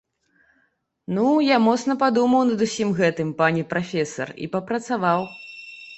Ну, я моцна падумаў над усім гэтым, пане прафесар, і папрацаваў.